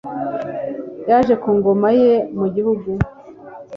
yaje ku ngoma ye mu gihugu